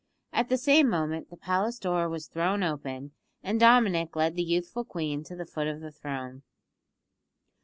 At the same moment the palace door was thrown open, and Dominick led the youthful queen to the foot of the throne.